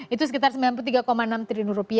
itu sekitar rp sembilan puluh tiga enam triliun